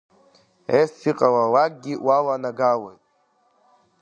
Ес-иҟалалакгьы уаланагалоит.